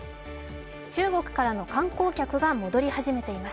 中国からの観光客が戻り始めています。